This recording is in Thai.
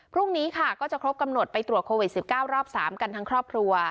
พรุ่งนี้ค่ะก็จะครบกำหนดไปตรวจโควิด๑๙รอบ๓กันทั้งครอบครัว